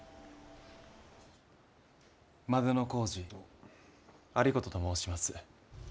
万里小路有功と申します。